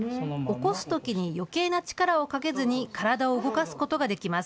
起こすときによけいな力をかけずに体を動かすことができます。